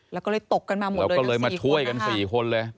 แล้วก็เลยตกกันมาหมดเลยกัน๔คนนะคะแล้วก็เลยมาช่วยกัน๔คนเลย